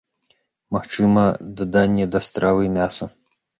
Магчыма даданне да стравы мяса.